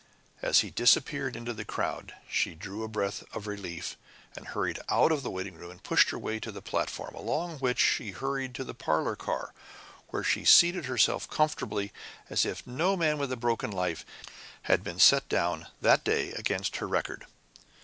As he disappeared into the crowd she drew a breath of relief, and hurried out of the waiting room and pushed her way to the platform, along which she hurried to the parlor car, where she seated herself comfortably, as if no man with a broken life had been set down that day against her record.